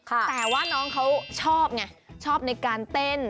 แต่ว่าน้องเขาชอบไงชอบในการเต้น